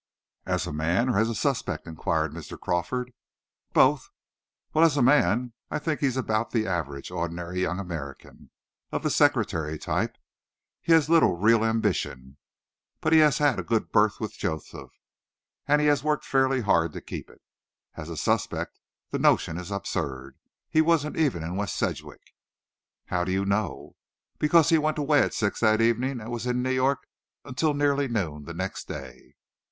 "As a man or as a suspect?" inquired Mr. Crawford. "Both." "Well, as a man, I think he's about the average, ordinary young American, of the secretary type. He has little real ambition, but he has had a good berth with Joseph, and he has worked fairly hard to keep it. As a suspect, the notion is absurd. He wasn't even in West Sedgwick." "How do you know?" "Because he went away at six that evening, and was in New York until nearly noon the next day."